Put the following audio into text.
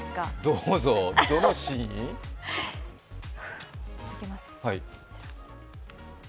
どうぞ、どのシーン？いきます。